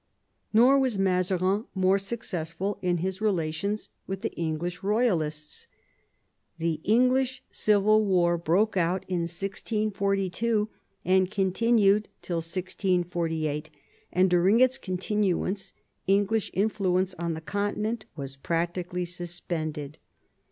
Nor was Mazarin more successful in his relations with the English Eoyalists. The English Civil War broke out in 1642 and continued till 1648, and during its continuance English influence on the Continent was practically suspended.